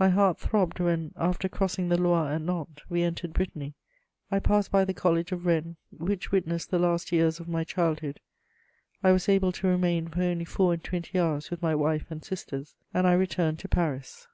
My heart throbbed when, after crossing the Loire at Nantes, we entered Brittany. I passed by the College of Rennes, which witnessed the last years of my childhood. I was able to remain for only four and twenty hours with my wife and sisters, and I returned to Paris.